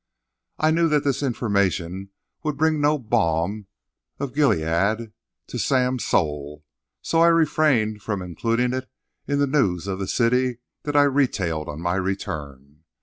I knew that this information would bring no balm of Gilead to Sam's soul, so I refrained from including it in the news of the city that I retailed on my return.